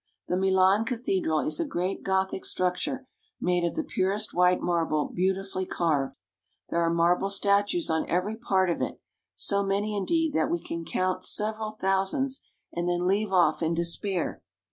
The Milan cathedral is a great Gothic structure, made o'f the purest white marble beauti fully carved. There are marble statues on every part of it, so many indeed that we count several thousands, and then leave off in despair.